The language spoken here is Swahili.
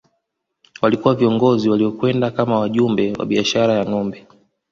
Walikuwa viongozi waliokwenda kama wajumbe wa biashara ya ngombe